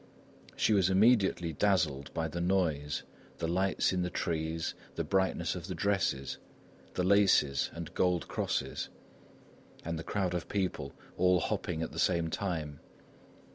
She was immediately dazzled by the noise, the lights in the trees, the brightness of the dresses, the laces and gold crosses, and the crowd of people all hopping at the same time.